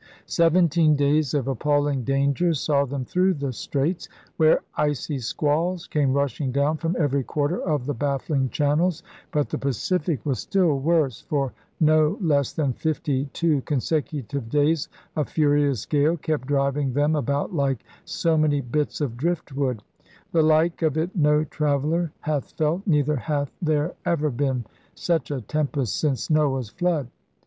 Seventeen days of appalling dangers saw them through the Straits, where icy squalls came rushing down from every quarter of the baffling channels. But the Pacific was still worse. For no less than fifty two con secutive days a furious gale kept driving them about like so many bits of driftwood. *The like of it no traveller hath felt, neither hath there ever been such a tempest since Noah's flood.'